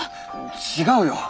違うよ！